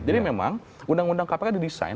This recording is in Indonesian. jadi memang undang undang kpk didesain